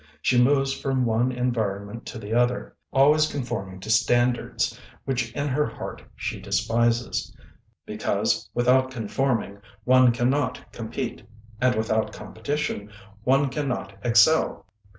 She moves from one en vironment to the other, always conforming to stand ards which in her heart she despises, because with out conforming one cannot compete, and without competition one can not excel.